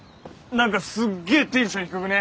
何かすっげえテンション低くね？